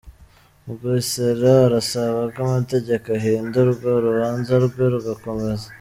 Mugesera arasaba ko amategeko ahindurwa urubanza rwe rugakomeza